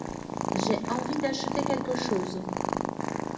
J’ai envie d’acheter quelque chose.